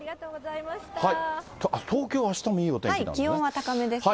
東京はあしたもいいお天気な気温は高めですね。